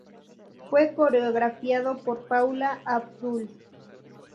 Fue coreografiado por Paula Abdul.